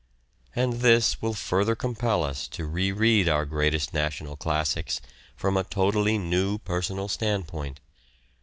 And this will further compel us to re read our greatest national classics from a totally new personal standpoint